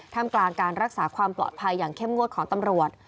ทำกลางการรักษาความปลอดภัยอย่างเข้มงวดของตำรวจ